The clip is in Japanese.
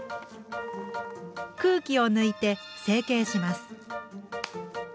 空気を抜いて成形します。